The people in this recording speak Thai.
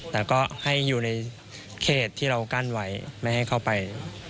แต่ก็ให้อยู่ในเขตที่เรากั้นไว้ไม่ให้เข้าไป